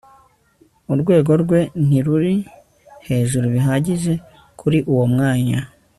Urwego rwe ntiruri hejuru bihagije kuri uwo mwanya